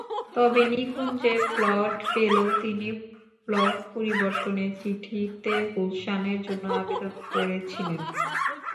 তবে নিকুঞ্জে প্লট পেলেও তিনি প্লট পরিবর্তনের চিঠিতে গুলশানের জন্য আবেদন করেছিলেন।